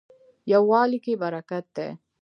یووالي کې برکت دی